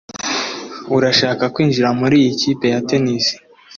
Urashaka kwinjira muri iyo kipe ya tennis